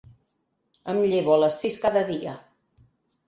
Em llevo a les sis cada dia.